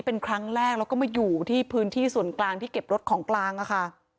เป็นครั้งแรกแล้วก็มาอยู่ที่พื้นที่ส่วนกลางที่เก็บรถของกลางค่ะ